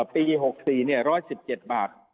ปี๖๔ร้อย๑๗บาท